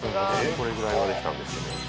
「これぐらいはできたんですけど」